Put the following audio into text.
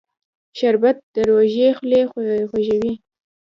شربت د روژې خولې خوږوي